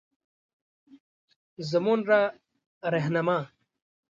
زمونره رهنما